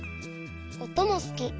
おともすき。